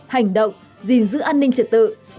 hành động gìn giữ an ninh trật tự bình yên cho thêm gần